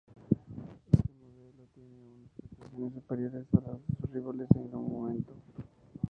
Este modelo tiene unas prestaciones superiores a las de sus rivales en su momento.